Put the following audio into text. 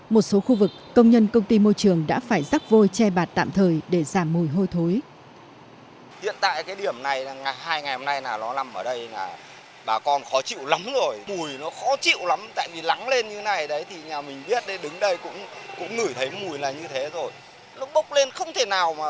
một số khu vực công nhân công ty môi trường đã phải rác vôi che bạt tạm thời để giảm mùi hôi thối